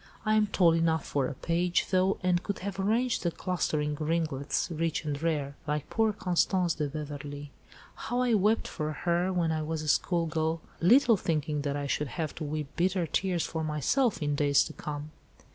I am tall enough for a page, though, and could have arranged the 'clustering ringlets, rich and rare,' like poor Constance de Beverley. How I wept for her, when I was a school girl, little thinking that I should have to weep bitter tears for myself in days to come."